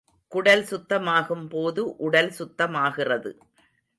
குடல் சுத்தமாகும் போது, உடல் சுத்தமாகிறது.